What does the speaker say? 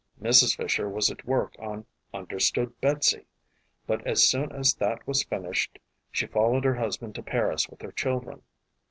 Mrs. Fisher was at work on Understood Betsy, but as soon as that was finished she followed her husband to Paris with her children.